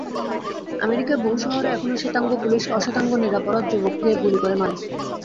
আমেরিকার বহু শহরে এখনো শ্বেতাঙ্গ পুলিশ অশ্বেতাঙ্গ নিরপরাধ যুবকদের গুলি করে মারে।